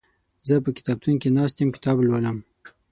زه په کتابتون کې ناست يم کتاب لولم